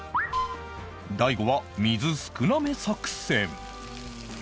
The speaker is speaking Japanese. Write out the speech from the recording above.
大悟は水少なめ作戦